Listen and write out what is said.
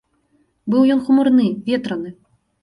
Быў ён хмурны, ветраны.